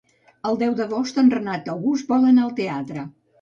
El deu d'agost en Renat August vol anar al teatre.